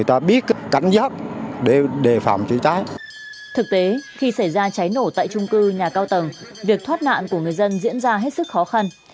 thực tế khi xảy ra cháy nổ tại trung cư nhà cao tầng việc thoát nạn của người dân diễn ra hết sức khó khăn